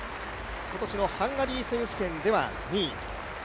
今年のハンガリー選手権では２位。